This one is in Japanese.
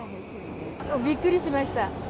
びっくりしました。